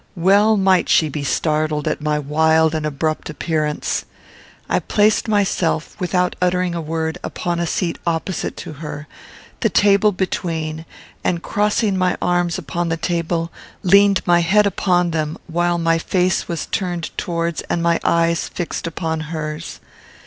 Well might she be startled at my wild and abrupt appearance. I placed myself, without uttering a word, upon a seat opposite to her, the table between, and, crossing my arms upon the table, leaned my head upon them, while my face was turned towards and my eyes fixed upon hers.